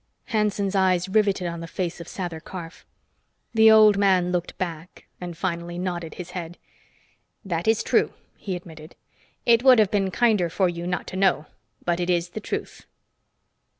Hanson's eyes riveted on the face of Sather Karf. The old man looked back and finally nodded his head. "That is true," he admitted. "It would have been kinder for you not to know, but it is the truth."